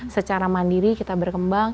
secara mandiri kita berkembang